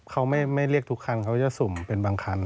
เขาไม่เรียกทุกคันเขาจะสุ่มเป็นบางคัน